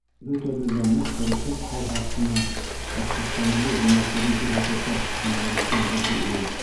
Бөтәбеҙ ҙә ныҡ тырышлыҡ һалһаҡ ҡына, Башҡортостаныбыҙ йомартлығын күрһәтәсәк, — тине Рөстәм Зәки улы.